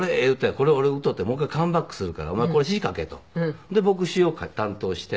これ俺が歌うてもう一回カムバックするからお前これ詞書け」と。で僕詞を担当して。